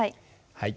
はい。